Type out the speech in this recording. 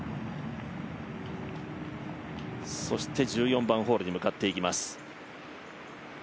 １４番ホールに向かっていきます。